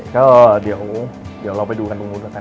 ก็เดี๋ยวเราไปดูกันตรงนู้นแล้วกัน